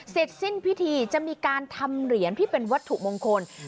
เสร็จสิ้นพิธีจะมีการทำเหรียญที่เป็นวัตถุมงคล